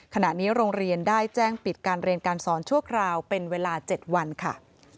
ขณะนี้โรงเรียนได้แจ้งปิดการเรียนการสอนชั่วคราวเป็นเวลา๗วันค่ะ